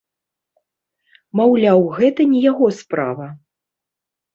Маўляў, гэта не яго справа.